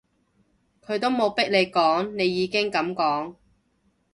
佢都冇逼你講，你已經噉講